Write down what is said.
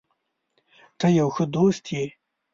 ته یو ښه دوست یې.